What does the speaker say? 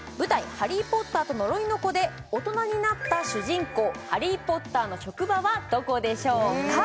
「ハリー・ポッターと呪いの子」で大人になった主人公ハリー・ポッターの職場はどこでしょうか？